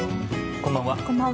こんばんは。